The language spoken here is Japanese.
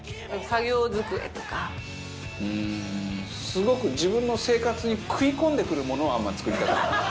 すごく自分の生活に食い込んでくるものはあんまり作りたくない。